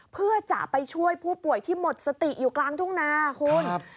เพื่อจะไปช่วยผู้ป่วยที่หมดสติอยู่กลางทุ่งนาคุณ